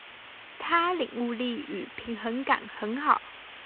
他領悟力與平衡感很好